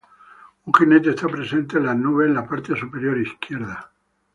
Un jinete está presente en las nubes en la parte superior izquierda.